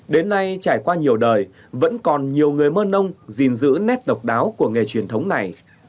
đến nay trải qua nhiều đời vẫn còn nhiều người mơn nông gìn giữ nét độc đáo của nghề truyền thống này